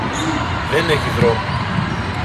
Δεν έχει δρόμο.